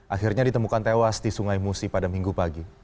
akhirnya ditemukan tewas di sungai musi pada minggu pagi